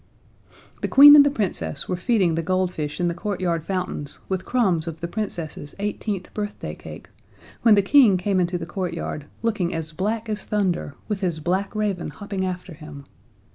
The Queen and the Princess were feeding the goldfish in the courtyard fountains with crumbs of the Princess's eighteenth birthday cake, when the King came into the courtyard, looking as black as thunder, with his black raven hopping after him.